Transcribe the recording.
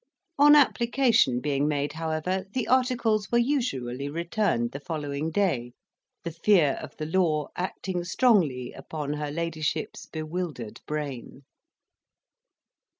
On application being made, however, the articles were usually returned the following day, the fear of the law acting strongly upon her ladyship's bewildered brain.